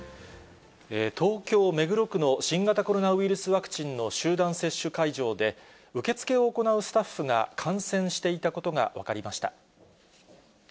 東京・目黒区の新型コロナウイルスワクチンの集団接種会場で、受け付けを行うスタッフが、感染していたことが分かりました。